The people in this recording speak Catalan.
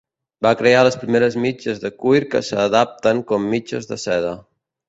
Va crear les primeres mitges de cuir que s'adapten com mitges de seda.